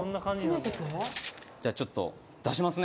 じゃあちょっと出しますね